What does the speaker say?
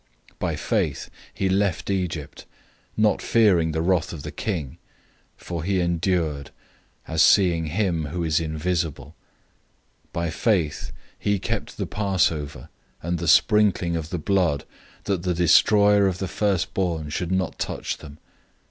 011:027 By faith, he left Egypt, not fearing the wrath of the king; for he endured, as seeing him who is invisible. 011:028 By faith, he kept the Passover, and the sprinkling of the blood, that the destroyer of the firstborn should not touch them.